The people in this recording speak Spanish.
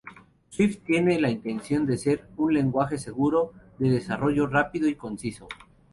Swift tiene la intención de ser un lenguaje seguro, de desarrollo rápido y conciso.